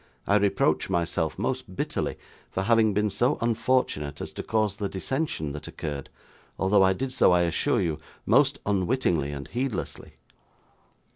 I reproach myself, most bitterly, for having been so unfortunate as to cause the dissension that occurred, although I did so, I assure you, most unwittingly and heedlessly.